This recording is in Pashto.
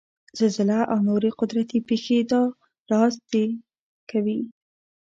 زلزله او نورې قدرتي پېښې دا رازد کوي.